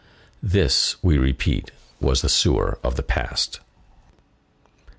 This, we repeat, was the sewer of the past.